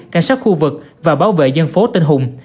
cảnh sát khu vực và bảo vệ dân phố tinh hùng